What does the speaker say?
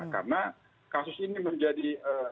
karena kasus ini menjadi